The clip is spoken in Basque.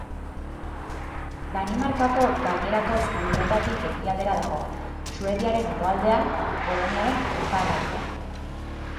Danimarkako gainerako lurretatik ekialdera dago, Suediaren hegoaldean, Poloniaren iparraldean.